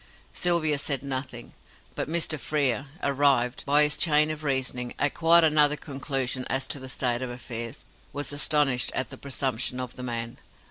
Sylvia said nothing; but Mr. Frere arrived, by his chain of reasoning, at quite another conclusion as to the state of affairs was astonished at the presumption of the man.